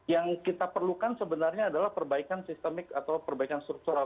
yang kita perlukan sebenarnya adalah perbaikan sistemik atau perbaikan struktural